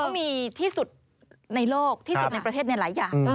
เขามีที่สุดในโลกที่สุดในประเทศหลายอย่าง